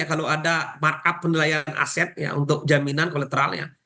kalau ada markup penilaian aset ya untuk jaminan kolateralnya